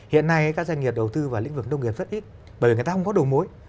hiện nay các doanh nghiệp đầu tư vào lĩnh vực nông nghiệp rất ít bởi vì người ta không có đồ mối